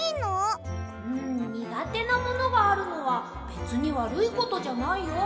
うんにがてなものがあるのはべつにわるいことじゃないよ。